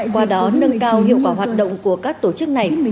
qua đó nâng cao hiệu quả hoạt động của các tổ chức này